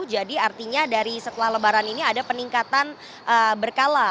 jadi artinya dari setelah lebaran ini ada peningkatan berkala